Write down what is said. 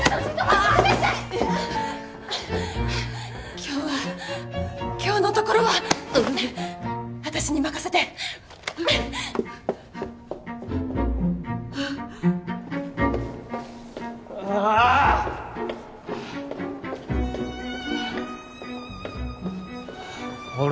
今日は今日のところはねっ私に任せてあっああっ！